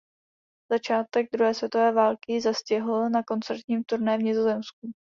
Začátek druhé světové války ji zastihl na koncertním turné v Nizozemsku.